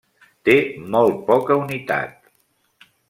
Té molt poca unitat.